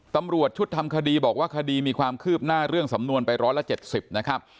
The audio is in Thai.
ตำรวจชุดทำคดีบอกว่าคดีมีความคืบหน้าเรื่องสำนวนไป๑๗๐นะครับ